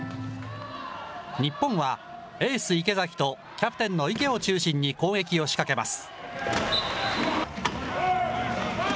日本はエース池崎と、キャプテンの池を中心に攻撃を仕掛けます。